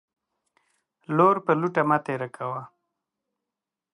لور پر لوټه مه تيره کوه.